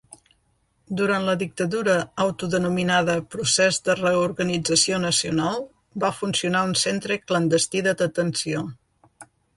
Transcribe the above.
Durant la dictadura autodenominada Procés de Reorganització Nacional va funcionar un centre clandestí de detenció.